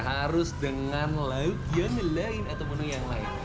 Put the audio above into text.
harus dengan lauk yang lain atau menu yang lain